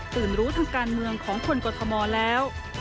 ตื่นรู้ทางการเมืองของคนกฎธมอลแล้ว